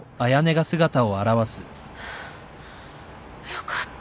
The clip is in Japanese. よかった。